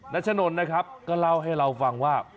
ัชนนนะครับก็เล่าให้เราฟังว่า